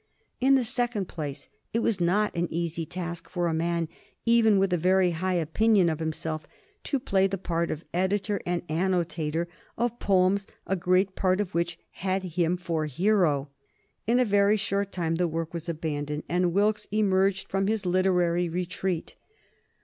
In the second place, it was not an easy task for a man even with a very high opinion of himself to play the part of editor and annotator of poems a great part of which had him for hero. In a very short time the work was abandoned, and Wilkes emerged from his literary retreat.